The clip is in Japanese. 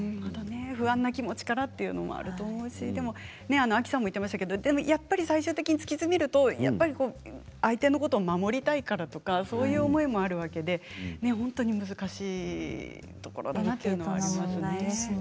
不安な気持ちからということもあると思うしアキさんも言ってましたがやっぱり最終的に突き詰めると相手のことを守りたいからとかそういう思いもあるわけで本当に難しいところだなというのはありますね。